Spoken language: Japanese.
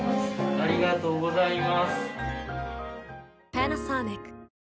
ありがとうございます。